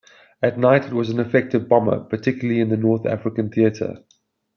At night it was an effective bomber, particularly in the North African theatre.